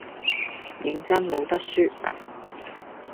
認真冇得揮